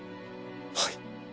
はい。